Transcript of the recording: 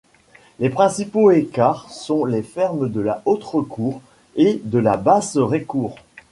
Les principaux écarts sont les fermes de la Haute-Récourt et de la Basse-Récourt.